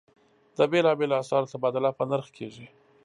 د بېلابېلو اسعارو تبادله په نرخ کېږي.